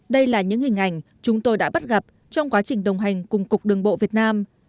đây là những hình ảnh chúng tôi đã bắt gặp trong quá trình đồng hành cùng cục đường bộ việt nam